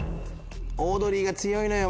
オードリーが強いのよ